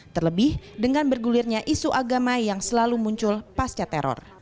terlebih dengan bergulirnya isu agama yang selalu muncul pasca teror